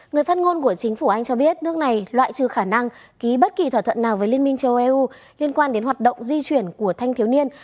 người phát ngôn của chính phủ anh cho biết nước này loại trừ khả năng ký bất kỳ thỏa thuận nào với liên minh châu âu liên quan đến hoạt động di chuyển của thanh thiếu niên